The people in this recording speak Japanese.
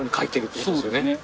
そうですね。